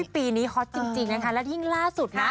ปีนี้ฮอตจริงและยิ่งล่าสุด